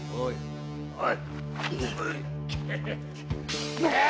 おい。